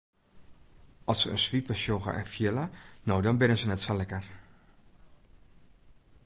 At se in swipe sjogge en fiele no dan binne se net sa lekker.